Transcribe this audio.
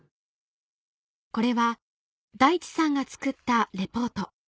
これは大地さんが作ったレポート